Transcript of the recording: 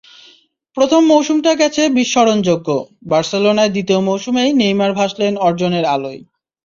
প্রথম মৌসুমটা গেছে বিস্মরণযোগ্য, বার্সেলোনায় দ্বিতীয় মৌসুমেই নেইমার ভাসলেন অর্জনের আলোয়।